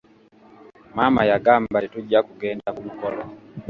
Maama yagamba tetujja kugenda ku mukolo.